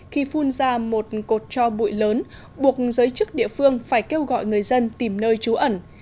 khi phun ra một cột cho bụi lớn buộc giới chức địa phương phải kêu gọi người dân tìm nơi trú ẩn